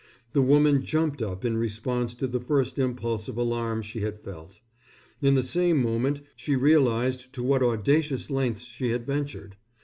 The woman jumped up in response to the first impulse of alarm she had felt. In the same moment she realized to what audacious lengths she had ventured.